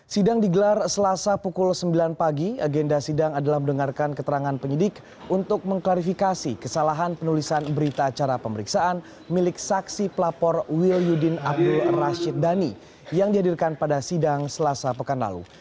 sidang digelar selasa pukul sembilan pagi agenda sidang adalah mendengarkan keterangan penyidik untuk mengklarifikasi kesalahan penulisan berita acara pemeriksaan milik saksi pelapor wil yudin abdul rashid dhani yang dihadirkan pada sidang selasa pekan lalu